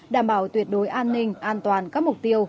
đảm bảo tuyệt đối an ninh an toàn các mục tiêu